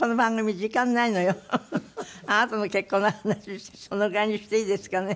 あなたの結婚の話そのぐらいにしていいですかね。